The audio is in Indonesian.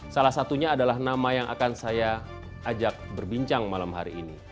salah satunya adalah nama yang akan saya ajak berbincang malam hari ini